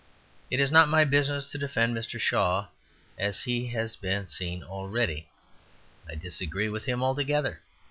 It is not my business to defend Mr. Shaw; as has been seen already, I disagree with him altogether.